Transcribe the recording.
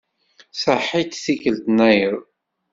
Saḥit tikkelt-nnayeḍ.